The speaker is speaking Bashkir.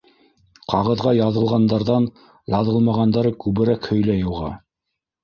Ҡағыҙға яҙылғандарҙан яҙылмағандары күберәк һөйләй уға.